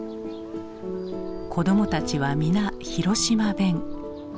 子どもたちは皆広島弁。